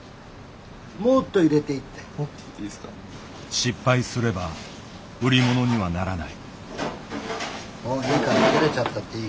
失敗すれば売り物にはならない。